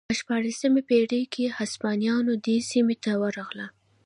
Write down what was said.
په شپاړسمې پېړۍ کې هسپانویان دې سیمې ته ورغلل.